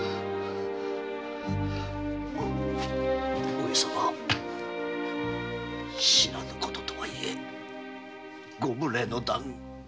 上様知らぬこととはいえご無礼の段お許しください。